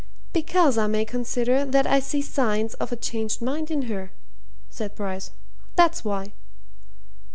"Because I may consider that I see signs of a changed mind in her," said Bryce. "That's why."